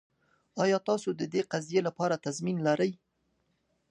ایا تاسو د دې قضیې لپاره تضمین لرئ؟